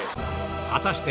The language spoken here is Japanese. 果たして